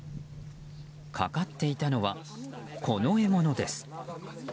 かかっていたのはこの獲物です。